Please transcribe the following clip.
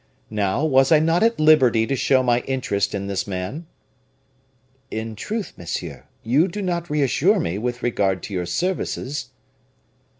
Now, was I not at liberty to show my interest in this man?" "In truth, monsieur, you do not reassure me with regard to your services."